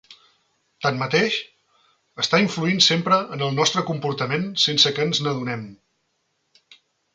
Tanmateix, està influint sempre en el nostre comportament sense que ens n'adonem.